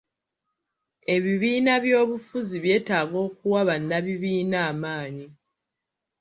Ebibiina by'obufuzi byetaaga okuwa bannabibiina amaanyi.